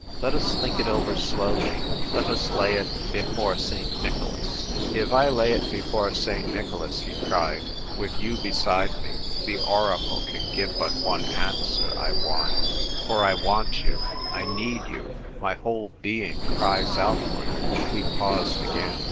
Let us think it over slowly; let us lay it — before St. Nicholas !"" O, ROMEO, ROMEO !" 2 1 7 " If I lay it before St. Nicholas," he cried, " with you beside me, the oracle can give but one answer, I warrant. For I want 3'ou ; I need you ; my whole being cries out for you." We paused again.